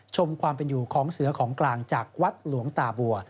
ชมความเป็นอยู่ของเสือของกลางจากวัดหลวงตาบัว